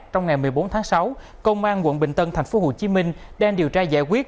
trong ngày một mươi bốn tháng sáu công an quận bình tân tp hcm đang điều tra giải quyết